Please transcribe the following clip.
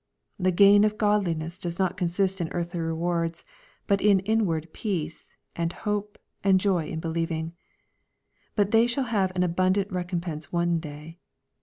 The gain of godliness does not consist in earthly rewards, but in inward peace, and hope, and joy in believing. But they shall have an abundant recompense one day.